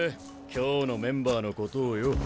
今日のメンバーのことをよ。